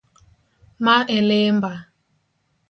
Ma e lemba.